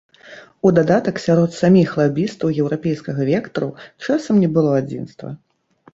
У дадатак сярод саміх лабістаў еўрапейскага вектару часам не было адзінства.